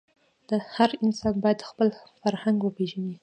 هر انسان باید خپل فرهنګ وپېژني.